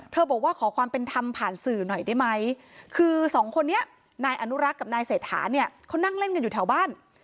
บอกว่าขอความเป็นธรรมผ่านสื่อหน่อยได้ไหมคือสองคนนี้นายอนุรักษ์กับนายเศรษฐาเนี่ยเขานั่งเล่นกันอยู่แถวบ้าน